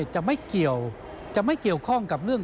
จะไม่เกี่ยวข้องกับเรื่อง